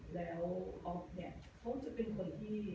แล้วอ๊อฟเนี่ยเขาจะเป็นคนที่